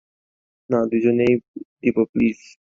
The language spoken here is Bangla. না, দুইজনেই দিব প্লিজ।